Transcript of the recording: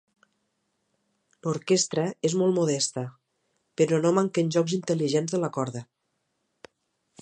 L'orquestra és molt modesta, però no manquen jocs intel·ligents de la corda.